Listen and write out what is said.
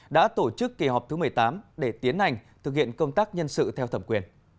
đã tổ chức kỳ họp thứ một mươi tám để tiến hành thực hiện công tác nhân sự theo thẩm quyền